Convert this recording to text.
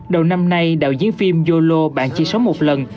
đầu năm nay đạo diễn phim yolo bạn chỉ sống một lần